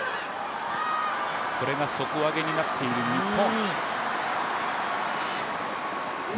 これが底上げになっている日本。